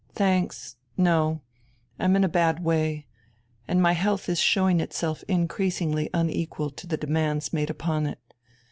"Thanks, no, I'm in a bad way, and my health is showing itself increasingly unequal to the demands made upon it.